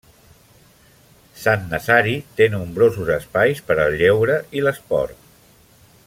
Sant Nazari té nombrosos espais per al lleure i l'esport.